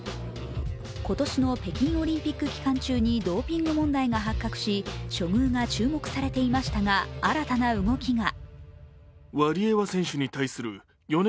今年の北京オリンピック期間中にドーピング問題が発覚し処遇が注目されていましたが、新たな動きが。